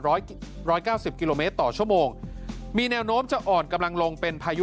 ร้อยร้อยเก้าสิบกิโลเมตรต่อชั่วโมงมีแนวโน้มจะอ่อนกำลังลงเป็นพายุ